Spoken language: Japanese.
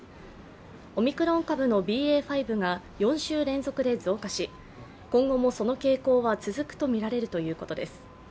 オミクロン株のＢＡ．５が４週連続で増加し、今後もその傾向は続くとみられるということです。